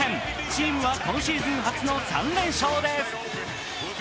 チームは今シーズン初の３連勝です